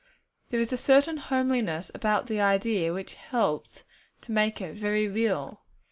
There is a certain homeliness about the idea which helps to make it very real.